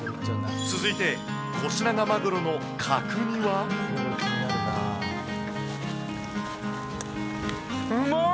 続いて、コシナガマグロの角うまい！